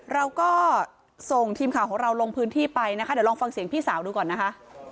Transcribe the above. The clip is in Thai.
เราก็ส่งทีมข่าวของเราลงพื้นที่ไปนะคะเดี๋ยวลองฟังเสียงพี่สาวดูก่อนนะคะ